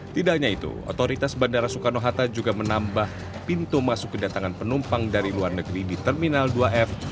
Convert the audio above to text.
tidak hanya itu otoritas bandara soekarno hatta juga menambah pintu masuk kedatangan penumpang dari luar negeri di terminal dua f